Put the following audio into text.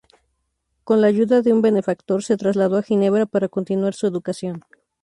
Con la ayuda de un benefactor, se trasladó a Ginebra, para continuar su educación.